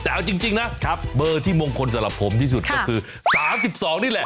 แต่เอาจริงนะเบอร์ที่มงคลสำหรับผมที่สุดก็คือ๓๒นี่แหละ